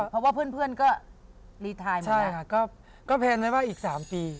เพราะว่าเพื่อนก็รีไทยมาแล้วค่ะใช่ค่ะก็แพลนไว้ไว้อีก๓ปี